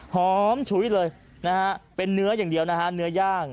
หอมชุ้ยเลยเป็นเนื้ออย่างเดียวเนื้อย่าง